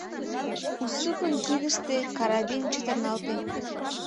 Уссупын кидыште карабин чытырналте.